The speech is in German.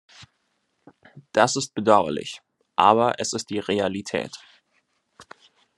Das ist bedauerlich, aber es ist die Realität.